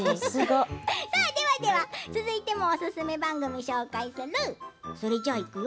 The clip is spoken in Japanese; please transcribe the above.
では続いてもおすすめ番組を紹介するよ。